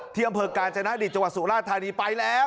เที่ยมเผิกการใจน้าดิษฐ์จังหวัดสุราชธารีย์ไปแล้ว